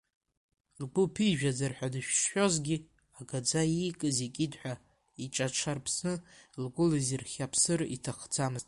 Лгәы ԥижәаӡар ҳәа дышшәозгьы, агаӡа иикыз икит ҳәа, иҽаҿарԥсны игәы лызирхьаԥсыр иҭахӡамызт.